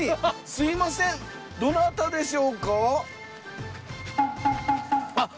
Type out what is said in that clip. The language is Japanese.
すいませんどなたでしょうか？